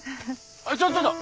ちょっちょっと！